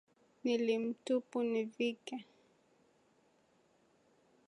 Nili mtupu nivike.